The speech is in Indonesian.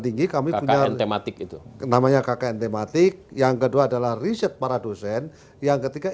tinggi kami punya tematik itu namanya kkn tematik yang kedua adalah riset para dosen yang ketika